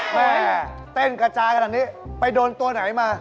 แม่เต้นกระจายขนาดนี้ไปโดนตัวไหนมา